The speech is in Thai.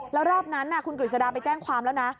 แล้วรอบนั้นคุณกฤษฎาไปแจ้งความแล้วนะ